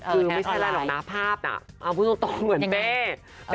คือไม่ใช่อะไรหรอกนะภาพน่ะเอาพูดตรงเหมือนเป้